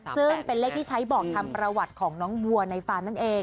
ซึ่งเป็นเลขที่ใช้บอกทำประวัติของน้องวัวในฟาร์มนั่นเอง